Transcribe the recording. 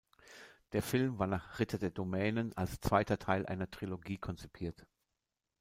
Der Film war nach "Ritter der Dämonen" als zweiter Teil einer Trilogie konzipiert.